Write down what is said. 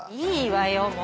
いいわよ。